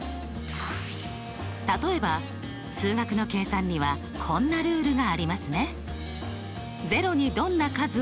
例えば数学の計算にはこんなルールがありますね。